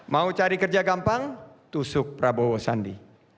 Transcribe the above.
mau cari kerja gampang tusuk prabowo sandi